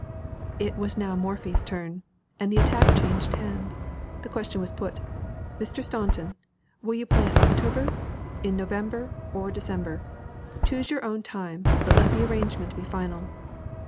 It was now Morphy's turn, and the attack changed hands. The question was put: "Mr. Staunton, will you play in October, in November, or December? Choose your own time, but let the arrangement be final."